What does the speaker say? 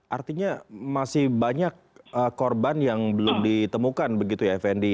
artinya masih banyak korban yang belum ditemukan begitu ya fnd